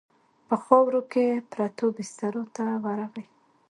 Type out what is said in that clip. په خاورو کې پرتو بسترو ته ورغی.